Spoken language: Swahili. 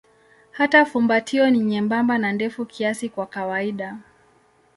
Hata fumbatio ni nyembamba na ndefu kiasi kwa kawaida.